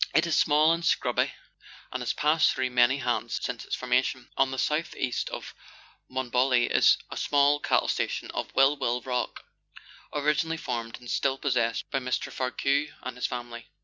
It is small and scrubby, and has passed through many hands since its formation. On the south east of Monbolloc is the small cattle station of Will Will Rook, originally formed and still possessed by Mr. Varcoe and his family.